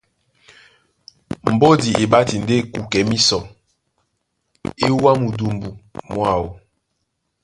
Mbódi e ɓáti ndé kukɛ mísɔ, e wúwa mundumbu mwáō.